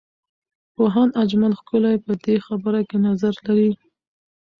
پوهاند اجمل ښکلی په دې برخه کې نظر لري.